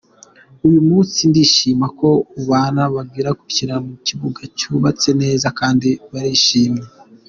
Uyu munsi ndishimira ko abana bari gukinira mu kibuga cyubatse neza kandi barishimye.